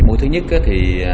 mũi thứ nhất